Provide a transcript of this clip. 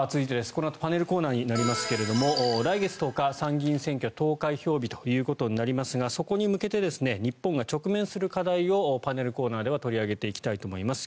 このあとパネルコーナーになりますが来月１０日、参議院選挙投開票日となりますがそこに向けて日本が直面する課題をパネルコーナーでは取り上げていきたいと思います。